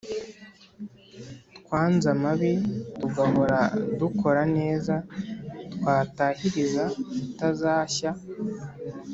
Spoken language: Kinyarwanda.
twanze amabi tugahora dukora neza twatahiriza utazashya